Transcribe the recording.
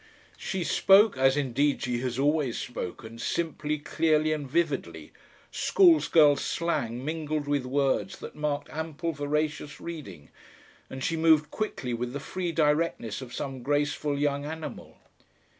She spoke, as indeed she has always spoken, simply, clearly, and vividly; schoolgirl slang mingled with words that marked ample voracious reading, and she moved quickly with the free directness of some graceful young animal.